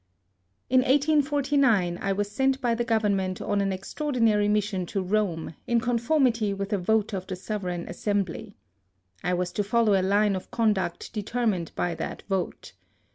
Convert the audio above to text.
In 1849 I was sent by the Government on an extraordinary mission to Kome, in con formity with a vote of the sovereign As sembly. I was to follow a line of conduct determined by that vote.